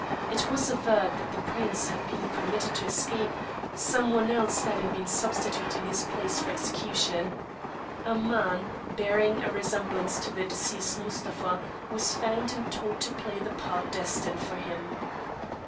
It was averred that the prince had been permitted to escape, someone else having been substituted in his place for execution. A man, bearing a resemblance to the deceased Mustapha, was found and taught to play the part destined for him.